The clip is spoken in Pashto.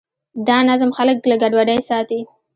دا نظم خلک له ګډوډۍ ساتي.